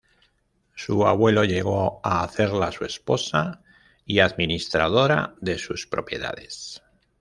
Su abuelo llegó a hacerla su esposa y administradora de sus propiedades.